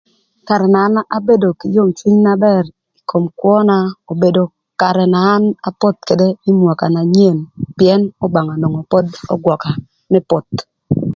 Karë na an abedo kï yom cwiny na bër ï kom kwöna obedo karë na an apoth ködë ï mwaka na nyen pïën Obanga onwongo pod ögwöka më poth.